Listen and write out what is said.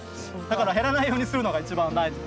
だから減らないようにするのが一番大事ですね。